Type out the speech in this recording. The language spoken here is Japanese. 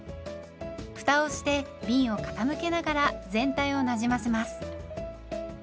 ふたをしてびんを傾けながら全体をなじませます。